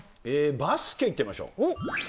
バスケいってみましょう。